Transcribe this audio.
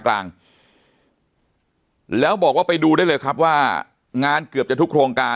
กลางแล้วบอกว่าไปดูได้เลยครับว่างานเกือบจะทุกโครงการ